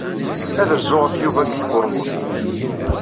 Ad rzuɣ ɣef Yuba deg tkurmut.